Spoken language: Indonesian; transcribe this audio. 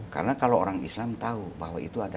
karena kalau orang islam tahu bahwa itu adalah fitnah